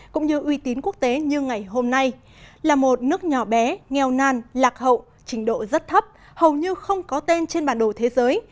cũng như uy tín quốc tế như ngày hôm nay là một nước nhỏ bé nghèo nan lạc hậu trình độ rất thấp hầu như không có tên trên bản đồ thế giới